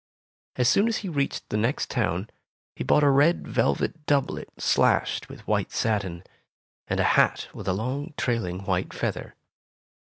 As soon as he reached the next town, he bought a red velvet doublet slashed with white satin* and a hat with a long, trailing white feather.